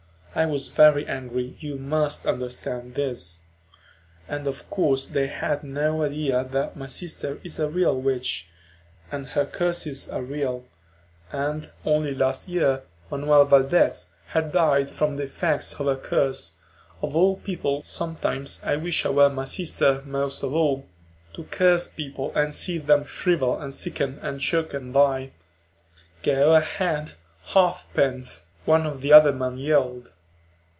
I was very angry, you must understand this. And of course they had no idea that my sister is a real witch, and her curses are real, and only last year Manuel Valdez had died from the effects of her curse. Of all people, sometimes I wish I were my sister most of all, to curse people and see them shrivel and sicken and choke and die. "Go ahead, half pint," one of the other men yelled.